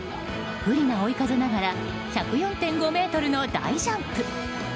不利の追い風ながら１０４．５ｍの大ジャンプ。